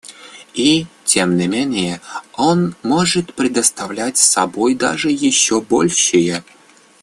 И, тем не менее, он может представлять собой даже еще большее.